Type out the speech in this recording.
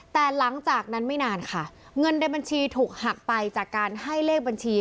แต่หลังจากนั้นไม่นานค่ะเงินในบัญชีถูกหักไปจากการให้เลขบัญชี